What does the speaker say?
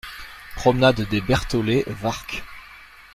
Promenade des Bertholet, Warcq